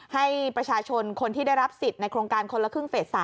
ให้ประชาชนคนที่ได้รับสิทธิ์ในโครงการคนละครึ่งเฟส๓